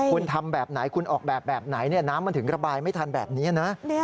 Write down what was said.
คุณทำแบบไหนคุณออกแบบแบบไหนน้ำมันถึงระบายไม่ทันแบบนี้นะ